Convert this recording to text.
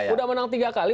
udah menang tiga kali